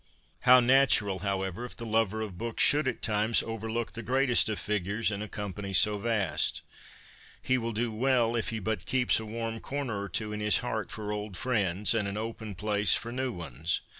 How natural, however, if the lover of books should at times overlook the greatest of figures in a company so vast ! He will do well if he but keeps a warm corner or two in his heart for old friends and an open place for new ones.